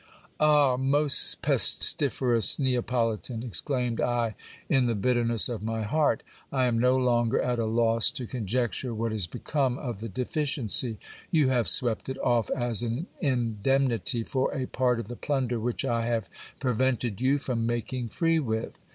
Ah ! most pestiferous Neapolitan ! exelaimed I in the bitterness of my heart. I am no longer at a loss to conjecture what is become of the deficiency. You have swept it off as an indemnity for a part of the plunder which I have pre vented you from' making free with.